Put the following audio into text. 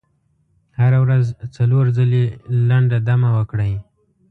هره ورځ څلور ځلې لنډه دمه وکړئ.